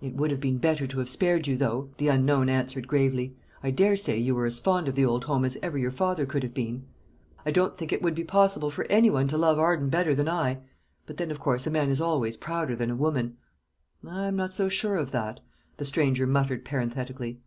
"It would have been better to have spared you, though," the unknown answered gravely. "I daresay you were as fond of the old home as ever your father could have been?" "I don't think it would be possible for any one to love Arden better than I. But then, of course, a man is always prouder than a woman " "I am not so sure of that," the stranger muttered parenthetically.